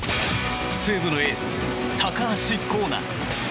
西武のエース、高橋光成。